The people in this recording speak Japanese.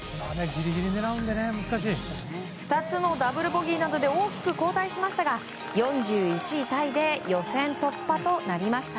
２つのダブルボギーなどで大きく後退しましたが４１位タイで予選突破となりました。